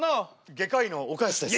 外科医の岡安です。